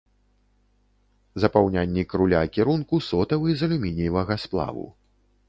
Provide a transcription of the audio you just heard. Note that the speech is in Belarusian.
Запаўняльнік руля кірунку сотавы з алюмініевага сплаву.